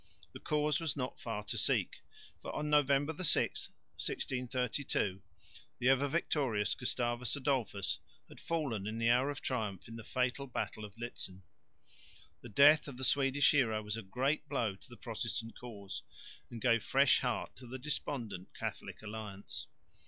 The cause was not far to seek, for on November 6, 1632 the ever victorious Gustavus Adolphus had fallen in the hour of triumph in the fatal battle of Lützen. The death of the Swedish hero was a great blow to the Protestant cause and gave fresh heart to the despondent Catholic alliance.